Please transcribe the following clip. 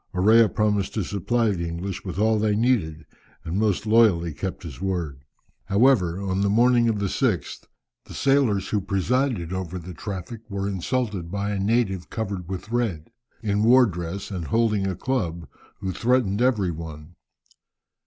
Orea promised to supply the English with all they needed and most loyally kept his word. However, on the morning of the 6th the sailors who presided over the traffic were insulted by a native covered with red, in war dress, and holding a club, who threatened every one.